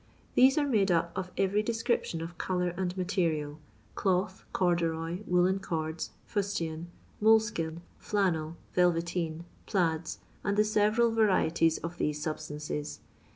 These are made np of every description of colour and material — cloth, corduroy, woollen cordi, fof tian, moleikin, flannel, TelTeteen, plaidf, and the leTeral Tarieties of thoae suhttanoes.